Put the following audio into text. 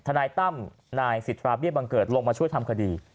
นายตั้มนายสิทธาเบี้ยบังเกิดลงมาช่วยทำคดี